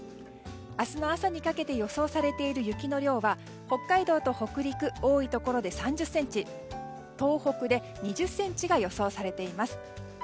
明日の朝にかけて予想されている雪の量は北海道と北陸多いところで３０ｃｍ東北で２０ｃｍが予想されています。